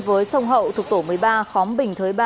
với sông hậu thuộc tổ một mươi ba khóm bình thới ba